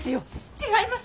違います。